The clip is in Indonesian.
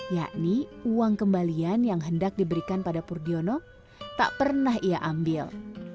yakni uang kembalian yang hendak diberikan pada purdiono tak pernah ia ambil